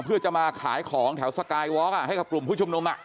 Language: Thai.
เพื่อจะมาขายของแถวสกายวอล์กให้กับกลุ่มผู้ชุมนุม